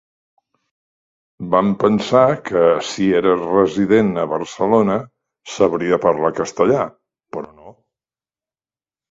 Vam pensar que, si era resident a Barcelona, sabria parlar castellà, però no.